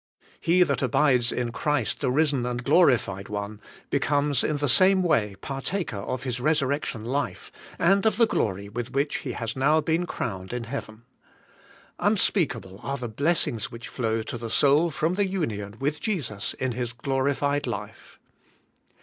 He that abides in Christ the Risen and Glorified One, becomes in the same way partaker of His resurrection life, and of the glory with which He has now been crowned in heaven. Unspeakable are the blessings which flow to the soul from the union with Jesus in His glorified life.